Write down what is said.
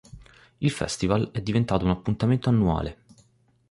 Il Festival è diventato un appuntamento annuale.